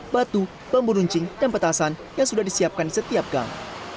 batu bambu runcing dan petasan yang sudah disiapkan setiap gang